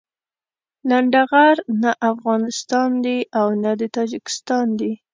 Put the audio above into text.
لنډغر نه افغانستان دي او نه د تاجيکستان دي.